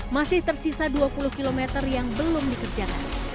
masih tersisa dua puluh km yang belum dikerjakan